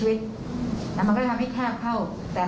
แล้วมันก็ได้ทำให้แคบเข้า